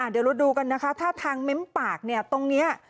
เดี๋ยวเราดูกันนะคะถ้าทางเม้มปากเนี่ยตรงนี้